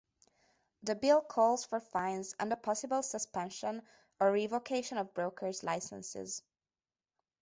The bill calls for fines and the possible suspension or revocation of brokers' licenses.